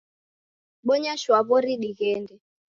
Bonya shwaw'ori dighende.